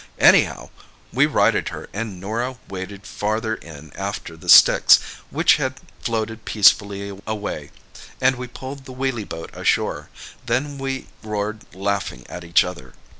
Anyhow, we righted her and Norah waded farther in after the sticks, which had floated peacefully away, and we pulled the wheely boat ashore. Then we roared laughing at each other.